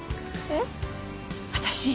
えっ？